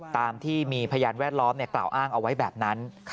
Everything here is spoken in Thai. ตามที่มีพยานแวดล้อมกล่าวอ้างเอาไว้แบบนั้น